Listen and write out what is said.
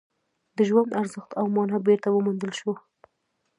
د ژوند ارزښت او مانا بېرته وموندل شوه